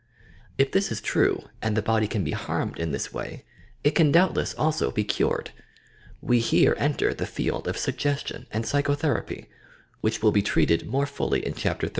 If this is true, and the body can be harmed in this way, it can doubtless also be cured. We here enter the field of suggestion and psychotherapy, which will be treated more fully in Chapter XXX.